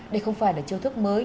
đây không phải là chiêu thức mới